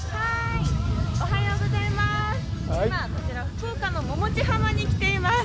今こちら福岡の百道浜に来ています。